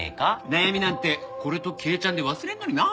悩みなんてこれとケイチャンで忘れんのにな。